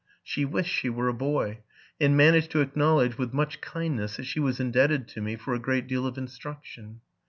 She wished she were a boy, and managed to acknowledge, with much kindness, that she was indebted to me for a great deal of instruction.